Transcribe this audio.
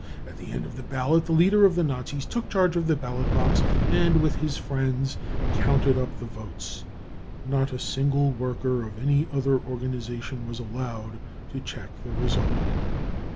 At the end of the ballot the leader of the Nazis took charge of the ballot box and with his friends counted up the votes. Not a single worker of any other organisation was allowed to check the result."